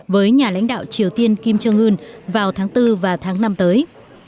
với nhà lãnh đạo triều tiên kim jong un vào tháng bốn và tháng năm tới